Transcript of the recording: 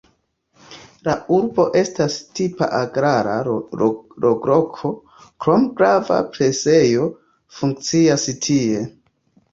La urbo estas tipa agrara loĝloko, krome grava presejo funkcias tie.